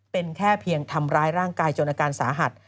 เป็นแค่เพียงทำร้ายร่างกายจนอาการสาหัส